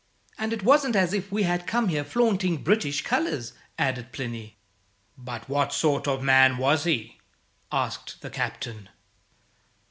"And it wasn't as if we had come here flaunting British colours," added Plinny. "But what sort of man was he?" asked the Captain.